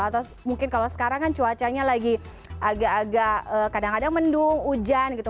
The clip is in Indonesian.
atau mungkin kalau sekarang kan cuacanya lagi agak agak kadang kadang mendung hujan gitu